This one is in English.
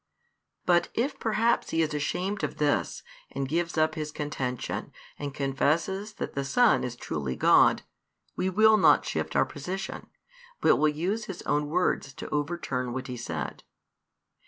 But if perhaps he is ashamed of this, and gives up his contention, and confesses that the Son is truly God, we will not shift our position, but will use his own words to overturn what he said.